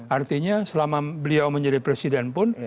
artinya selama beliau menjadi presiden pun